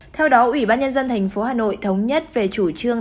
theo đó ubnd tp hcm thống nhất về chủ trương